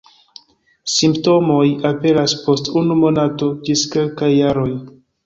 Simptomoj aperas post unu monato ĝis kelkaj jaroj.